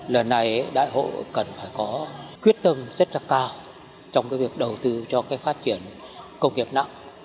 lần này đại hội cần phải có quyết tâm rất là cao trong cái việc đầu tư cho cái phát triển công nghiệp nặng